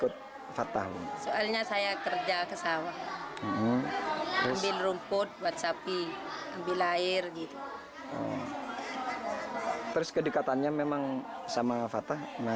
terus kedekatannya memang sama fata